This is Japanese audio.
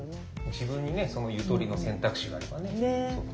自分にねそのゆとりの選択肢があればね対応できる。